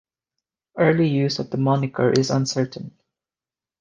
Early use of the moniker is uncertain.